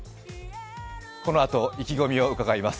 このあと、意気込みを伺います。